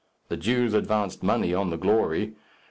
The Jews advanced money on the glory.